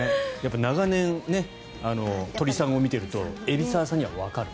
長年、鳥さんを見ていると海老沢さんにはわかる。